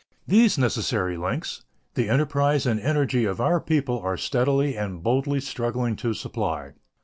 These necessary links the enterprise and energy of our people are steadily and boldly struggling to supply.